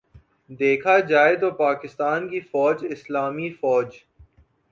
دیکھا جائے تو پاکستان کی فوج اسلامی فوج